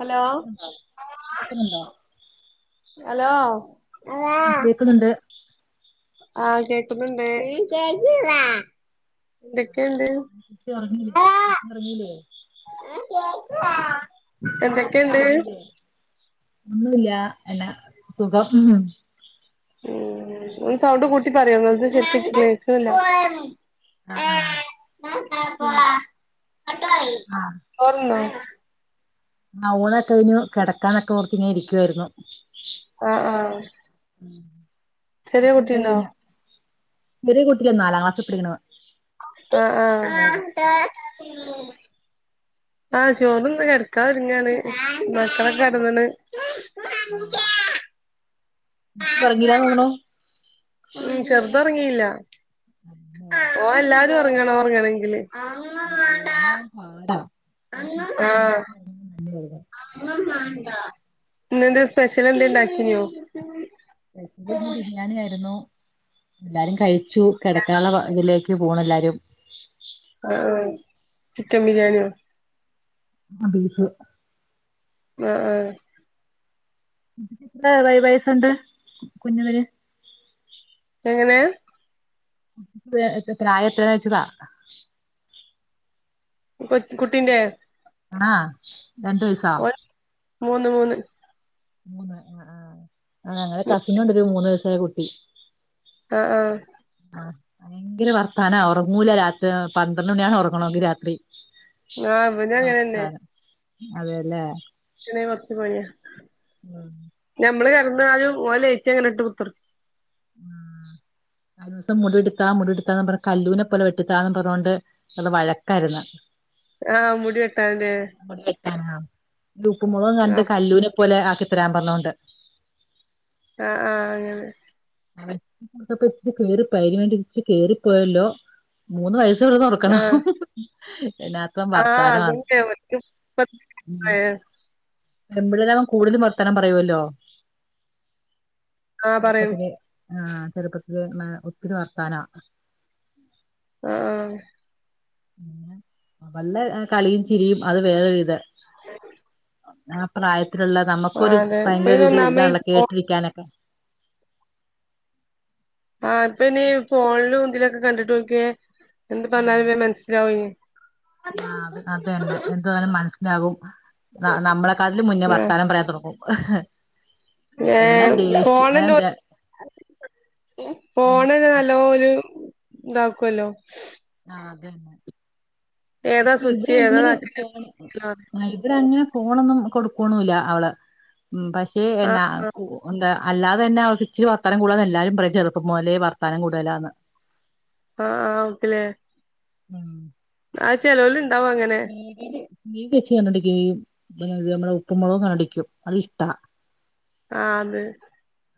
Hello കേക്കുന്നുണ്ടോ hello ആഹ് കേക്കുന്നുണ്ട് ആഹ് കേക്കുന്നുണ്ട് എന്തൊക്കെയുണ്ട് [unintelligible] ഒറങ്ങീലേ [unintelligible] ഒറങ്ങീലേ എന്തക്കെണ്ട് ഒന്നുവില്ലാ എല സുഖം ഉം ഒന്ന് സൗണ്ട് കൂട്ടി പറയോ നിങ്ങള് ശ കേക്ക അ ആഹ് ആ [unintelligible] ആ ഊണക്കയിഞ്ഞു കെടക്കാനൊക്കെ ഓർത്തിങ്ങനെ ഇരിക്കുആയ്രുന്നു ആ ആ ചെരിയ കുട്ടിണ്ടോ? ചെരീകുട്ടി നാലാം ക്ലാസ് തീണ് അ ആ ആഹ് ചോറിന്ന് കെട്ക്കാ ഒര്ങ്ങാണ് മക്കള കെടന്നണ് ട്ടൊർങ്ങീല്ലാ തോന്നുണൂ ഉം ചെർദ റ്ങ്ങീല്ലാ അമ്മോ. ഓല്ലാ ട്ട് ഒറങ്ങണോ ഒറങ്ങണെങ്കില് ആ ഓ അങ്ങനോം പാടാ ആഹ് [unintelligible] [unintelligible] ഇന്നെന്ത്‌ സ്പെഷ്യല് എന്തെണ്ടാക്കിഞ്യോ സ്‌പെഷല്ന്ന് ബിര്യാണി യായിരുന്നു എല്ലാരും കഴിച്ചു കെടക്കാള്ള പ ഇതിലേക്ക് പോണ് എല്ലാരും ആഹ് ചിക്കൻ ബിരിയാണിയോ ആഹ് ബീഫ് ആഹ് ആഹ് എത്ര വയ വയസുണ്ട് കുഞ്ഞതിന് എങ്ങെനെ എത്ര പ്രായ എത്ര ചോയിച്ചതാ കൊച്ച് കുട്ടീന്റെ ആഹ് രണ്ട് വയസാ മൂന്ന് മൂന്ന് മൂന്ന് ആഹ് ആഹ് ആ ഞങ്ങടെ കസിനുമുണ്ടൊരു മൂന്ന് വ യസായ കുട്ടി ആഹ് ആഹ് ആ ഭയങ്കര വർത്താനവാ ഒറങ്ങൂല രാത്രി പന്ത്രണ്ട് മണിയാകും ഒറങ്ങണോങ്കി രാത്രി ആ ഇവനും അങ്ങനെ തന്നെ അതെ അല്ലേ ഇവന് കൊറച്ച് പണിയാ ഉം ഞമ്മള് കെ ടന്നാലും ഓൻ ലൈറ്റങ്ങനെ ഇട്ട് വെക്കല് ആ കഴിഞ്ഞ ദിവസം മുടി എടുക്കാം മുടി എടുക്കാന്ന് പറഞ്ഞ് കല്ലൂനെ പോലെ വെട്ടിത്താന്നും പറഞ്ഞോണ്ട് നല്ല വഴക്കാരുന്നു ആഹ് മുടിവെട്ടാന് ലേ ടുട്ടു മോളും കണ്ട് കല്ലുനെ പോലെ ആക്കിത്തരാൻ പറഞ്ഞോണ്ട്. ആഹ് ആഹ് അങ്ങനെ [unintelligible] കേറിപ്പോയല്ലോ മൂന്ന് വയ [unintelligible] ന്നോർക്കണം ആഹ് ആഹ് അതന്നെ [unintelligible] പെമ്പിള്ളേരാമ്പം കൂട്തലും വർത്താനം പറയുവല്ലോ. പറയൂ ചെറുപ്പത്തില് ആഹ് ചെറുപ്പ [unintelligible] ഒത്തിരി വർത്താനാ. ആഹ് പിന്നെ വല്ല കളിയും ചിരിയും അത് വേറൊരു ഇത് ആ പ്രായ ത്തിലുള്ള നമ്മക്കൊരു അതെ പയങ്കര ഇപ്പയ്ന് ഒരു ഇത് ഒന്നാമെ ഇതാണ് ഇപ്പോ കേട്ടിരിക്കാനൊക്കെ. ആഹ് ഇപ്പയ്നീ ഫോണിലും ദിലൊക്ക കണ്ടിട്ട് ഓൽക്കേ എന്ത് പറഞ്ഞാലുമേ മനസ്സിലാവി ആഹ് അത് അത് തന്നെ എന്താലും മനസ് ഉണ്ടാവും നമ്മളെക്കട്ടിൽ മുന്നേ വർത്താനം പറയാൻ തുടക്കും. ആഹ് എ ഫോണന്ന ദേ- എൻ- ഫോണന്നെ നല്ല ഒരു ഇതാക്കുവല്ലോ ആ അതന്നെ ഏതാ സ്വിച്ച് ഇവടെ ഏതാ അങ്ങനെ ഇതാക്കണ്ടേ പോണ് ആഹ് ഇവിടെങ്ങെ ഫോണൊന്നും കൊടുക്കണല്ല അവള് ഉം പക്ഷേ എന്നാ ആഹ് എന്താ അല്ലാതെ തന്നെ അവ ഇച്ചിരി വർത്തനം കൂടലാന്ന് എല്ലാരും പറയും ചെറുപ്പം മുതലേ വർത്താനം കൂടലാന്ന് ആഹ് ആഹ് ക്കല്ലേ ഉം ആ ചെലോലുണ്ട് നീതില് നീ കച്ച കണ്ണടിക്കുകയും അത് നമ്മുടെ ഉപ്പുമ മുളകം കണ്ടിക്കും അത് ഇഷ്ടാ ആ അത്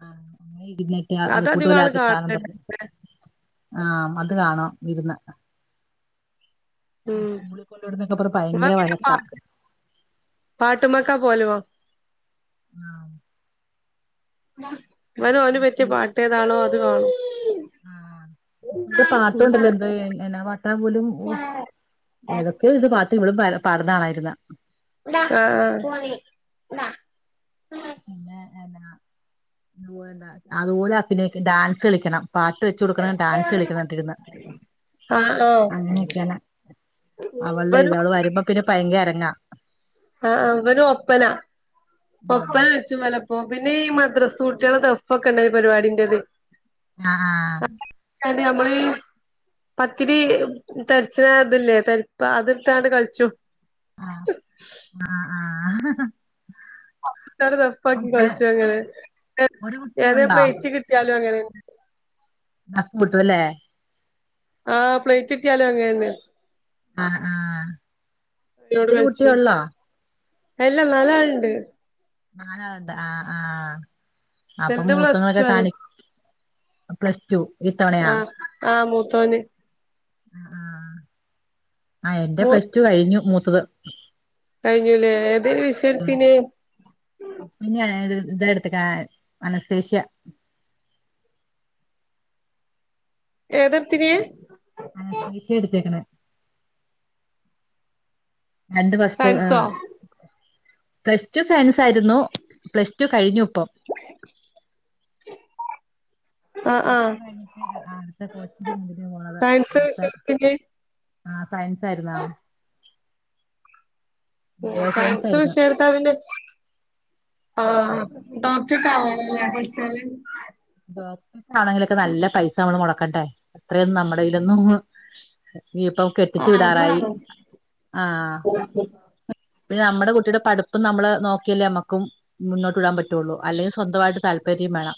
ആഹ് ങ് അത് അതിവാള് കാണ [inaudible] ആഹ് നമ്മുക്ക് കാണാം ഇരുന്ന് ഉം സ്കൂളിൽ കൊണ്ടുവിടുന്നൊക്കെ പറഞ്ഞ് ഭയങ്കര പറഞ്ഞു വഴക്കാ പാട്ട്മക്കാ പോലുവോ ആഹ് അവന് ഓന് പറ്റിയ പാട്ടേതാണോഅത് [inaudible] ആ. ഇത് പാട്ടുണ്ടല്ലോ എന്ത് എന്നാ പാട്ടാ പോലും ഓ [inaudible] ഇവിളും പ പാടന്നാളായിരുന്ന? അ ആ [inaudible] പിന്നൊന്താ [inaudible] അതുപോലെ അ [unintelligible] ഡാൻസ് കളിക്കണം. പാട്ട് വെച്ച് കൊടുക്കണം. ഡാൻസ് [unintelligible] ണ. അങ്ങനെയൊക്കെയാണ്. അവളുടെ ഇത് ഇവനും അവള് വരുമ്പോ പിന്നെ ബയങ്ക ന്ന ആഅ, ഇവന് ഒപ്പന. ഒപ്പന വെച്ച്മല ഇപ്പൊ പിന്നെ ഈ മദ്രസ് കൂട്ടൃള ദെഫ് ഒക്കെ ഉണ്ടായിര്ന്ന് ഈ പരിപാടിന്റെന്ന്. അ ആ. അത് നമ്മളീ പത്തിരി തരിച്ചിന ഇതില്ലേ തരിപ്പ അത്ട്ത്താണ്ട് കളിച്ചു. ആ, ആ ആ ആഹ് ആഹ് ഇത് [unintelligible] ഒരു കുട്ടിയെ ഏതേം ഉള്ളോ പ്ലേറ്റ് കിട്ടിയാലും അങ്ങനന്നെ ശ്വാസം മുട്ടുവല്ലേ ആഹ് പ്ലേറ്റ് കിട്ടിയാലും അങ്ങനന്നെയാണ് ആഹ് ആഹ് ഇതൊരു കുട്ടിയൊള്ളോ എല്ല നാലാള്ണ്ട് നാലാൾണ്ട് ആഹ് ആഹ്. അപ്പൊ വലുത് പ്ലസ് മൂത്തങ്ങളൊക്കെ ടു ആണ് കാണി പ്ലസ് ടു ഇത്തവണയോ? ത്തോന്. ആ ആ ആ ആ എന്റെ മൂ പ്ലസ് ടു കഴിഞ്ഞു മൂ ത്തത്. കഴിഞ്ഞുലേ ഏതെനി വിഷയം എടുത്തീനിയ്. ഇതാ എടുത്തെ കാ അനസ്തേഷ്യ. ഏതാഇടത്ത്തീനിയെ? അനസ്തേഷ്യ എടുത്തേക്ക്ണെ. രണ്ട് വർഷത്തെ സയൻസോ ഏഹ് പ്ലസ് ടു സയൻസ് സായിരുന്നു പ്ലസ് ടു കഴിഞ്ഞു ഇപ്പം. ആഹ് പ്ലസ് ആഹ് ടു കഴിഞ്ഞിട്ട് ആദ്യത്തെ കോച്ചിങ്ന് ഇവടുന്ന് പോണത് സയൻസ് അടുത്ത വിഷയെടുത്തീന് ആ സയൻസ് ആയിരുന്നോ? ഉം സയൻസ് വിഷയെടുത്താ പിന്നെ ഓ ഡോക്ടറ്റക്കെ ആവലല്ലേ പട്‌ച്ചാല്. ബാപ്പി ആണെങ്കിലൊക്കെ നല്ല പൈസ നമ്മള് മുടക്ക ക്കണ്ടേ അത്രയും നമ്മുടെ കൈലൊന്നും ഇനീപ്പം കെട്ടിച്ചു ആഹ് അത് വിടാറായി വേണം ആ. നോക്കിയല്ലേ നമ്മുക്കും മുന്നോട്ട് വിടാൻ പറ്റുള്ളു അല്ലെങ്കിൽ സ്വന്തമായിട്ട് താല്പര്യം മേണം.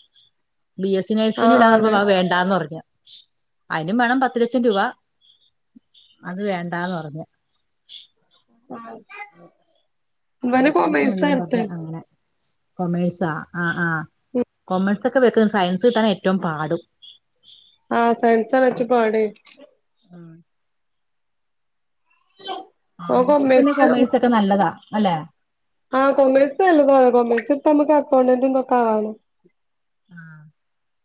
ബി എസ്സി നേഴ്സിന്ന് ആഹ് ആഹ് വിടാന്ന് അതെ പറഞ്ഞപ്പോ അത് വേണ്ടാന്ന് പറഞ്ഞു. അതിനും വേണം പത്തു ലക്ഷം രൂപ അത് വേണ്ടാന്ന് പറഞ്ഞു. ഓൻ കോമേഴ്‌സ്. അത് അനസ്തേഷ്യ എടുത്തെ [unintelligible] അങ്ങനെ കൊമേഴ്സ് ആ ആ. ആ കോമേഴസ് ക്കെക്ക സയൻസ് കിട്ടാൻ ഏറ്റവും പാടും ആഹ സയൻസ വച്ച പോടെേ ഉം ആ പിന്നെ കൊമേഴ്സ് ഒക്കെ നല്ലതാ. അല്ലെ? ആ കൊമേഴ്‌സ് അല്ലതാണ്. കൊമേഴ്‌സ് പ്പം മ്മക്ക് അക്കൗണ്ടന്റും തൊക്കാണ്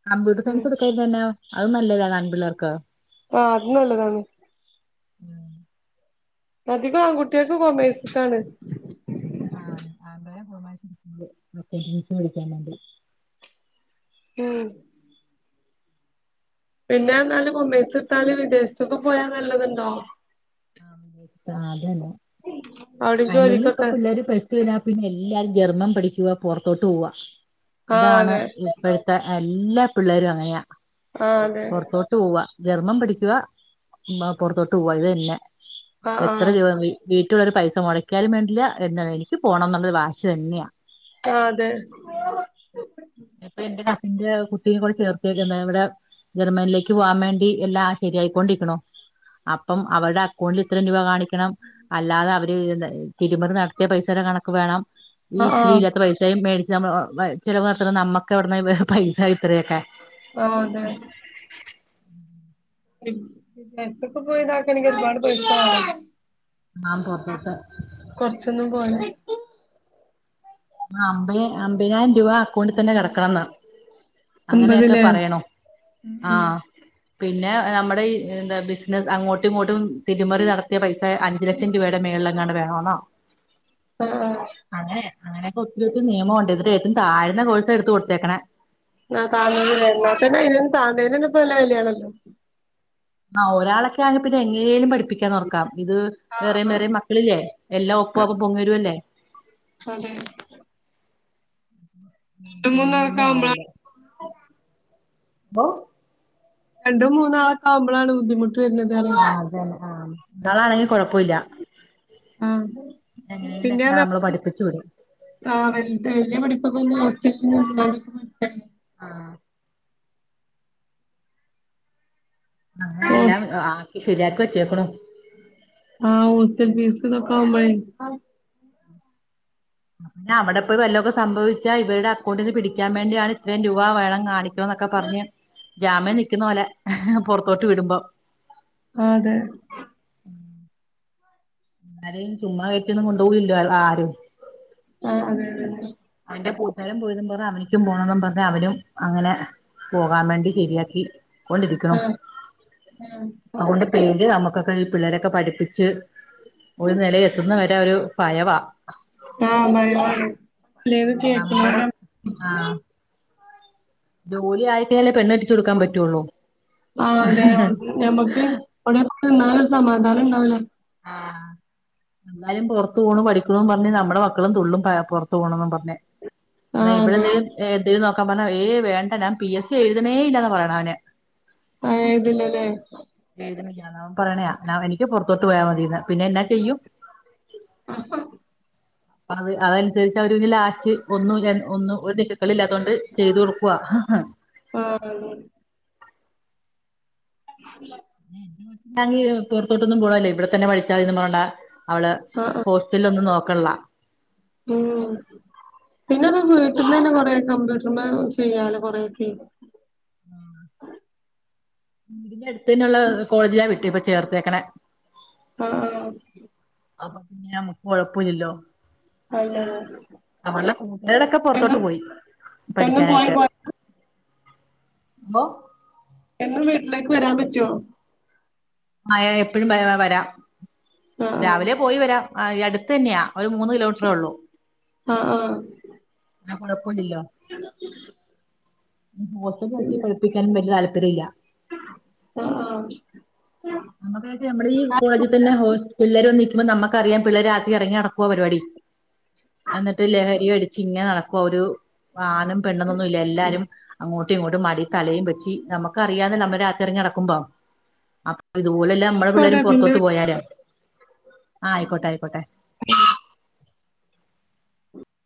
കമ്പ്യൂട്ടർ സയൻസ് എടുത്താലിപ്പ എന്ന? അത് നല്ലതാണാമ്പിള്ളേർക്കാ. ആഹ് അത്ന്നല്ലതാണ്! [unintelligible] അധികം ആൺകുട്ട്യേക്ക് കൊമേസ്സാണ് [unintelligible] തൻ [unintelligible] പിന്നെ [unintelligible] [unintelligible] ആ അതന്നെ അവിടെയും അല്ലെങ്കിലുപ്പ ജോലിക്കൊക്കെ പിള്ളേര് പ്ലസ്ടു കഴിഞ്ഞാ പിന്നെ [unintelligible] യ്യവാ പുൊറത്തോട്ട് പോവാ ഇതാണ് ആഹ് ഇപ്പോഴത്തെ! എല്ലാ പിള്ളേരും അങ്ങനെയാ. അതെ പുൊറത്തോട്ട് പോവാ! ജർമ്മം പിടിക്കുക പുറത്തോട്ട് പോയത് തന്നെ ആഹ് അതെ ആഹ് [unintelligible] ആഹ് എത്രരെ പൈസ മുടക്കിയാലും വേണ്ടില്ല. എനിക്ക് പോണമെന്നുളളത് വാശി തന്നെയാ! ആ അതെ! ഇപ്പൊ എന്റെ കസിന്റെ കുട്ടിയെ കൂടെ ചേർ ത്തേക്കുന്നെ. ഇവിടെ ജർമ്മനിലേക്ക് പോവാൻ വേണ്ടി എല്ലാ ശരിയായിക്കൊണ്ടിരിക്കണു! അപ്പം അവരുടെ അക്കൗണ്ടിൽ ഇത്രയും രൂപ കാണിക്ക അല്ലാതെ അവ? തിരുമറി നടത്തിയ പൈസയുടെ കണക്ക് വേണം. ആഹ് വിട്ട്ല് ആഹ് ല്ലാത്ത പൈസയും വെ [unintelligible] ഇത്രനമ്മുക്ക് എവിടന്ന് പൈസ ഇത്രയൊക്കെ? ആ അതെ! പ്ലസ് ടു ഒക്കെ പോയതാർന്നെ ആ പുറത്തോട്ട് കൊറച്ചൊന്നും പോരാ! ആ അമ്പ അമ്പതിനായിരം രൂപ അക്കൗണ്ടിൽ തന്നെ കിടക്കണംന്ന്! അങ്ങനെയൊക്കെ അമ്പതിലേ പറയണോ? ഉം ആഹ! പിന്നെ നമ്മുടെ എന്താ ബിസിനസ് അങ്ങോട്ടും ഇങ്ങോട്ടും തിരുമറി നടത്തിയ പൈസ അഞ്ച് ലക്ഷം രൂപയുടെ മേള്ല് ങ്ങാണ്ട് വേണന്നോ ആഹ് ആ അങ്ങനക്കെ ഒത്തിരി നിയമണ്ട് ന്നിട്ട് ഏറ്റവും താഴ്ന്ന കോഴ്സ എടുത്ത് കൊടുത്തേക്ക ന്നെ ആ താതേന്നെ മൊത്തത്തില് ഇത് പ്പം താതേന പ്പോലെ ആണ് ആ ഒരാളൊക്കെ ആന്നെ പിന്നെ എങ്ങെനേലും പഠപ്പിക്കും പ്പിക്കാൻ നോക്കാം ഇത് വേറെയും ആഹ് വേറെ മക്കളില്ലേ എല്ലാം ഒപ്പ ഒപ്പ വരുവല്ലേ അതെ മൂന്ന് ഒന്നും പേരൊക്കാവ്മ്പള പ്പൊ രണ്ടോ മൂന്നോ ആള്ണ്ടാവുമ്പോളാണ് ബുദ്ധിമുട്ട് വരുന്നത് ആഹ് അതന്നെ ആഹ് നല്ലാണങ്കി കൊഴ ആ പിന്നെ എങ്ങനെങ്കിലൊക്കെ നമ്മള് പഠിപ്പിച്ചു വിടും ആ വല്ല്യ പഠിപ്പൊക്കെ [unintelligible] ആഹ് അങ്ങനെ ഹോസ് എല്ലാം ആക്കി ശരിയാക്കു ക്ക്ണൂ ആഹ് ഹോസ്റ്റൽ ഫീസ് തൊക്കെ ആവുമ്പളെ ആ പിെ അവിടെപ്പോയി വല്ലതൊക്കെ സംഭവിച്ചാ ഇരുടെ അക്കൗണ്ടിൽ നിന്ന് പിടിക്കാൻ വേണ്ടിയാണ് ഇത്രയും രൂപ വേണം കാണിക്ക ട്ടോന്നൊക്കെ പറഞ്ഞ് ജാമ്യം നിക്കുന്ന പോലെ പൊറത്തോട്ട് വിടുമ്പോ അ അതെ ആരെയും ചുമ്മാ കയറ്റിയൊന്നും കൊണ്ടുപോകല്ല ആരും ആ അതെയതെ എന്റെ കൂട്ടുകാരും പോയതും പറ അവനിക്കും പോണന്നും പറഞ്ഞ് അവനും അങ്ങനെ പോകാൻ വേണ്ടി ശരിയാക്കി കൊണ്ടിരിക്കണോ ആഹ് ആവോണ്ട് നമുക്കൊക്കെ ഈ പിള്ളേരൊക്കെ പഠിപ്പിച്ച് ഒരു നിലയി എത്തുന്ന വരെ ഒരു ഭയവ ആഹ് ലെത് നമ്മടെ കേക്കനോടം ആഹ് ജോലി ആയിട്ടാലേ പെണ്ണെട്ടിച്ചു കൊടുക്കാൻ പറ്റുള്ളൂ. ആ അതെ ഞമ്മക്ക് അടെനിന്നാലോര് സമാന ന്നാലുണ്ടാവല്ലോ ആ എല്ലാവരും പൊറത്തു പോണു പഠിക്ക്ണൂ പറഞ്ഞ് നമ്മടെ മക്കളും തുള്ളും ക പൊറത്തു പോണൊന്നും പറഞ്ഞ് ന്ന ആഹ് അതെ ഇവിടെന്തേലും എതേലും നോ ക്ക പറ്ഞ്ഞ് ഏയ് വേണ്ട ഞാൻ പി എസ് സി എഴുതുന്നേയില്ലാന്നാ പറയണേ അവന് ആ എഴുതില്ലലേ? എഴുതണില്ലാന്നവന് പറയണെ നാ എനിക്ക് പൊറത്തോ ട്ടു പോയാമതിന്ന് രാ പിന്നെന്നാ ചെയ്യും? അത് അതനുസരിച്ച് അവരിനി ലാസ്റ്റ് ഒന്നു ര ഒന്നു ഒരു [unintelligible] ക്കളില്ലാത്തോണ്ട് ചെയ്തതൊടുക്കൊ ആഹ് അതെ [unintelligible] പൊറത്തോട്ടൊന്നും പോവാല്ലെ ഇവടെത്തന്നെ പഠിച്ചാല് മതിയെങ്ങും പോവണ്ടാ അവള് ആഹ് ആഹ് ഹോസ്റ്റല്ലൊന്ന് നോ ക്കള്ളാ ഉം പിന്നൊക്കെ വീട്ടിന്നന്നെ കൊറെയൊക്കെ കമ്പ്യൂട്ടറുമ്മേ ചെയ്യാലോ കൊറെയൊക്കെ [unintelligible] പ്പയിനുള്ള കോളേജിലാ കിട്ടിയെപ്പം ചേർത്തിയേക്കണേ ആഹ് ആഹ് അപ്പ പിന്നെ അമ്മക്ക് കൊഴപ്പൊല്ലില്ലോ [unintelligible] കൂട്ടുകാരൊക്കെ പുറത്തോട്ട് എന്നും പോയി എന്നും പോയി പോരല്ലാ ബോ എന്നും വീട്ടിലേക്ക് വരാൻ പറ്റോ? ആ ഏ എപ്പഴും വരാ വരാ ആഹ് രാവിലെ പോയി വരാം ആ ഈയടുത്തന്നെയാ ഒരു മൂന്ന് കിലോമീറ്ററൊള്ളൂ ആഹ്. ആഹ് ആഹ്. ഞാന് ഫുള്ള് ഓലില്ല ഉം പൊറ്ത്ത് ഉം. മൊടക്കി പഠിപ്പിക്കാനും വല്ല്യ താല്പര്യല്ല ആഹ് ആഹ്. നമ്മള്ക്ക് വിചാരിച്ച ഞമ്മളീ കോളേജി തന്നെ ഹോസ് പിള്ളേര് വന്ന് പിന്നെ നമ്മക്കറിയാം പിള്ളേര് രാത്രി എറങ്ങി നടക്കുവ പരിപാടി എന്നിട്ട് ലഹരി അടിച്ച് ഇങ്ങനെ നടക്കുവ ഒരു ആണും പെണ്ണന്നൊന്നുല്ല എല്ലാരും അങ്ങോട്ടും ഇങ്ങോട്ടും മടി തലയും വെച്ചി നമുക്കറിയാലൊ നമ്മ രാത്രി എറങ്ങി നടക്കുമ്പം അ ഇതുപോലല്ലെ നമ്മടെ പിള്ളേരും ആയിക്കോട്ടെ പിന്നെ പൊറത്തോട്ട് പോയാല് ആ ആയിക്കോട്ടായിക്കോട്ടെ